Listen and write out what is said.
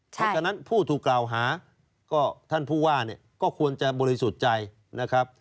เพราะฉะนั้นผู้ถูกกล่าวหาก็ท่านผู้ว่าเนี่ยก็ควรจะบริสุทธิ์ใจนะครับ